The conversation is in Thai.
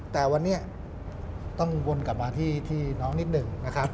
แต่วันนี้ต้องวนกลับมาที่น้องนิดหนึ่งนะครับ